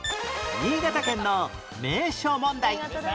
新潟県の名所問題